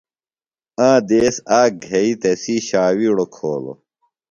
آ دیس آک گھئی تسی ݜاویڑوۡ کھولوۡ۔